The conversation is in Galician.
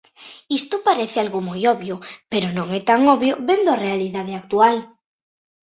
Isto parece algo moi obvio, pero non é tan obvio vendo a realidade actual.